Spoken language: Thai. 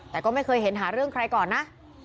แต่ก็ไม่เคยเห็นหาเรื่องใครก่อนนะ